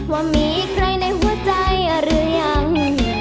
ว่ามีใครในหัวใจหรือยัง